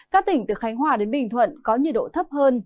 các tỉnh từ khánh hòa đến bình thuận có nhiệt độ thấp hơn